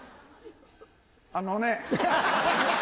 あのね。